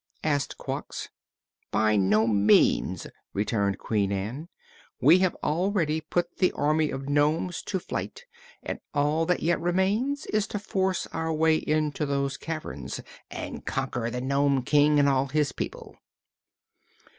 asked Quox. "By no means!" returned Queen Ann. "We have already put the army of nomes to flight and all that yet remains is to force our way into those caverns, and conquer the Nome King and all his people."